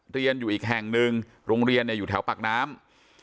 เรียนอยู่อีกแห่งหนึ่งโรงเรียนอยู่แถวปากน้ำ